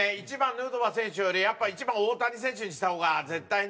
ヌートバー選手よりやっぱ１番大谷選手にした方が絶対に。